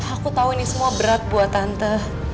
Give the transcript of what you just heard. aku tahu ini semua berat buat tante